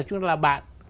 chúng ta là bạn